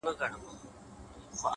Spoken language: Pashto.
نوره گډا مه كوه مړ به مي كړې-